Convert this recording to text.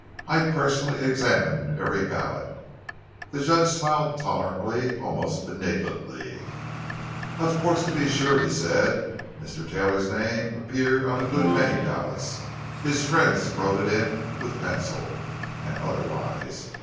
I personally examined every ballot!" The judge smiled tolerantly, almost benignantly. "Of course—to be sure," he said. "Mr. Taylor's name appeared on a good many ballots; his friends wrote it, with pencil, and otherwise.